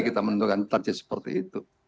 kita menentukan target seperti itu